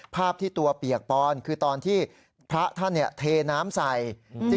ภาพที่ตัวเปียกปอนคือตอนที่พระท่านเทน้ำใส่